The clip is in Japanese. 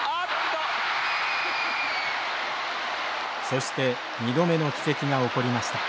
そして２度目の奇跡が起こりました。